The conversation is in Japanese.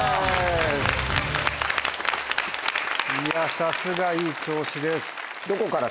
さすがいい調子です。